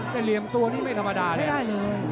แต่เรียมตัวนี้ไม่ธรรมดาใช้ได้เลย